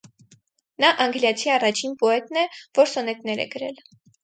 Նա անգլիացի առաջին պոետն է, որ սոնետներ է գրել։